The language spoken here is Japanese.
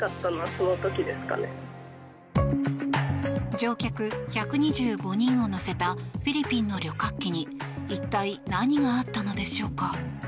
乗客１２５人を乗せたフィリピンの旅客機に一体、何があったのでしょうか。